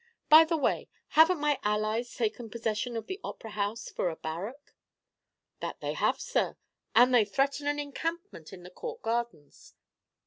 By the way, haven't my allies taken possession of the Opera House for a barrack?" "That they have, sir; and they threaten an encampment in the Court gardens."